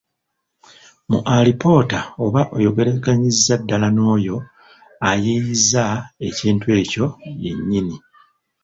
Mu alipoota oba oyogeraganyiza ddala n’oyo ayiiyizza ekintu ekyo yennyini.